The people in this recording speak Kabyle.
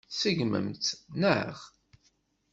Tṣeggmemt-tt, naɣ?